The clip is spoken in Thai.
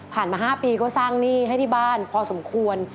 มา๕ปีก็สร้างหนี้ให้ที่บ้านพอสมควร